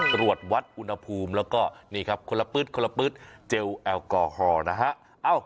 ตรวจวัดอุณหภูมิแล้วก็โคละปื้ดเจลแอลกอร์ฮอล์นะฮะ